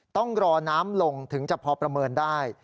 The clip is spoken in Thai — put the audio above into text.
ต้องรอน้ำลงถึงจะพอประเมินได้